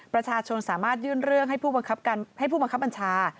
ประชาชนสามารถยื่นเรื่องให้ผู้บังคับบัญชา